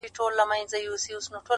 چي پر مځكه انسانان وي دا به كېږي -